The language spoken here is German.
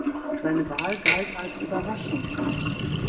Seine Wahl galt als Überraschung.